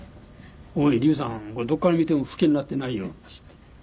「おい笠さんどこから見ても老けになってないよ」っていって。